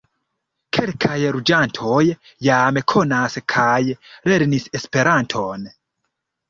Kelkaj loĝantoj jam konas kaj lernis Esperanton.